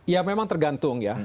ya memang tergantung ya